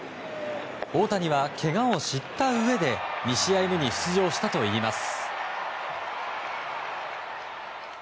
大谷は、けがを知ったうえで２試合目に出場したといいます。